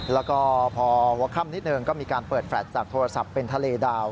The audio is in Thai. แล้วก็พอหัวค่ำนิดหนึ่งก็มีการเปิดแลตจากโทรศัพท์เป็นทะเลดาว